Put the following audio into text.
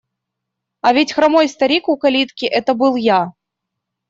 А ведь хромой старик у калитки – это был я.